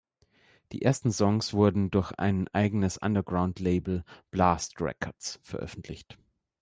Die ersten Songs wurden durch sein eigenes Underground-Label "Blast Records" veröffentlicht.